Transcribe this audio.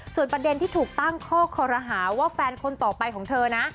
ส่วนประเด็นที่ถูกตั้งข้อคอรหาว่าแฟนคนต่อไปของเธอนะ